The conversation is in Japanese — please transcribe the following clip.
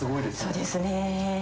そうですね